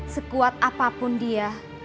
sekuat apapun dia